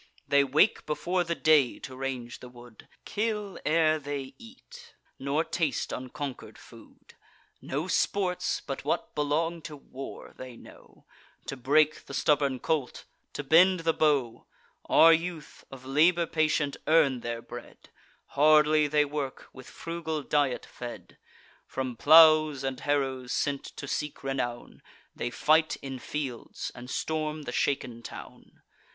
They wake before the day to range the wood, Kill ere they eat, nor taste unconquer'd food. No sports, but what belong to war, they know: To break the stubborn colt, to bend the bow. Our youth, of labour patient, earn their bread; Hardly they work, with frugal diet fed. From plows and harrows sent to seek renown, They fight in fields, and storm the shaken town.